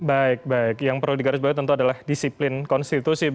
baik baik yang perlu digarisbawahi tentu adalah disiplin konstitusi